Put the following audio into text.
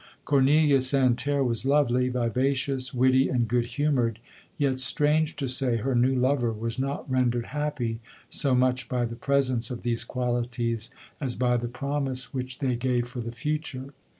Cornelia Santerre was lovely, vivacious, witty, and good humoured ; yet strange to say, her new lover was not rendered happy so much by the pre sence of these qualities, as by the promise which they gave for the future.